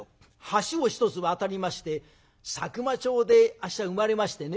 橋を一つ渡りまして佐久間町であっしは生まれましてね